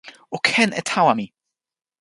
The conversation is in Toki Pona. o ken e tawa mi!